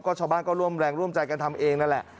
ชาวบ้านก็ร่วมแรงร่วมใจกันทำเองนั่นแหละ